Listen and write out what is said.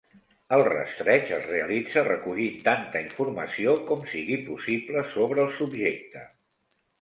El rastreig es realitza recollint tanta informació com sigui possible sobre el subjecte.